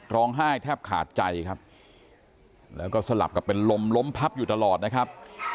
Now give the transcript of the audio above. ร้องไห้แทบขาดใจครับแล้วก็สลับกับเป็นลมล้มพับอยู่ตลอดนะครับ